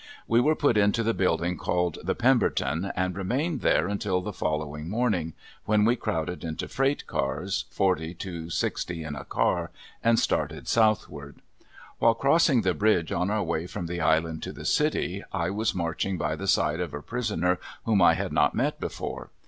We were put into the building called "The Pemberton" and remained there until the following morning, when we crowded into freight cars, forty to sixty in a car, and started southward. While crossing the bridge on our way from the Island to the city I was marching by the side of a prisoner whom I had not met before.